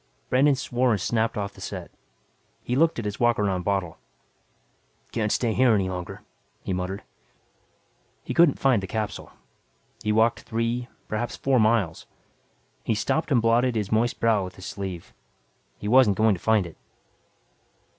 Brandon swore and snapped off the set. He looked at his walk around bottle. "Can't stay here any longer," he muttered. He couldn't find the capsule. He walked three, perhaps four miles. He stopped and blotted his moist brow with his sleeve. He wasn't going to find it.